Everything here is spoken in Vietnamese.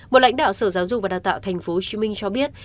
một lãnh đạo sở giáo dục và đào tạo tp hcm cho biết